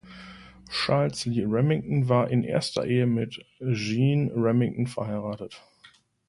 Charles Lee Remington war in erster Ehe mit Jeanne Remington verheiratet.